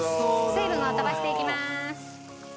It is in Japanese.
水分を飛ばしていきます。